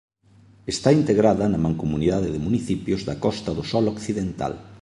Está integrada na Mancomunidade de Municipios da Costa do Sol Occidental.